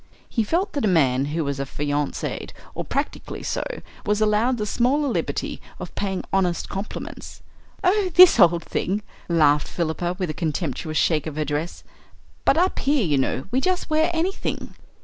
He felt that a man who was affianced, or practically so, was allowed the smaller liberty of paying honest compliments. "Oh, this old thing," laughed Philippa, with a contemptuous shake of her dress. "But up here, you know, we just wear anything."